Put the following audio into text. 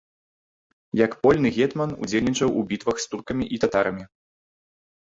Як польны гетман удзельнічаў у бітвах з туркамі і татарамі.